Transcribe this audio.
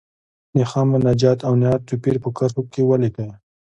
د حمد، مناجات او نعت توپیر په کرښو کې ولیکئ.